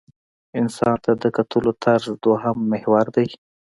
انسان ته د کتلو طرز دویم محور دی.